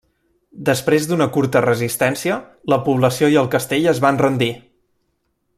Després d'una curta resistència, la població i el castell es van rendir.